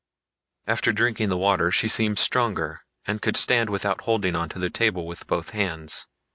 After drinking the water she seemed stronger, and could stand without holding onto the table with both hands.